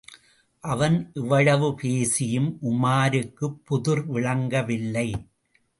அவன் இவ்வளவு பேசியும் உமாருக்குப் புதிர் விளங்கவில்லை.